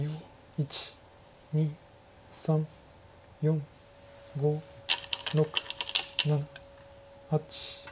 １２３４５６７８。